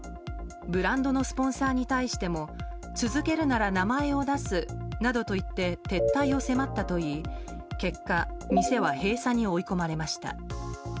ブランドのスポンサーに対しても続けるなら名前を出すなどと言って撤退を迫ったといい結果、店は閉鎖に追い込まれました。